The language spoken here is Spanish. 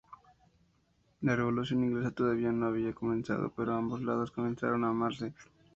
La Revolución inglesa todavía no había comenzado, pero ambos lados comenzaron a armarse.